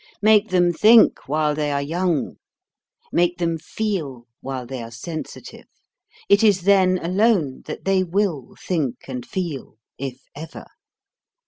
Make them think while they are young: make them feel while they are sensitive: it is then alone that they will think and feel, if ever.